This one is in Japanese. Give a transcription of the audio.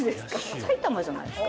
埼玉じゃないですか。